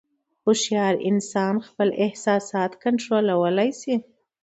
هوښیار انسان خپل احساسات کنټرولولی شي.